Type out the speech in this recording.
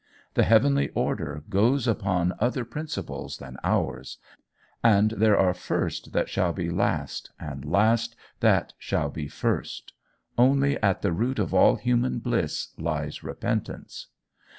The heavenly order goes upon other principles than ours, and there are first that shall be last, and last that shall be first. Only, at the root of all human bliss lies repentance.